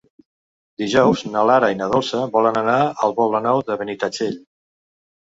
Dijous na Lara i na Dolça volen anar al Poble Nou de Benitatxell.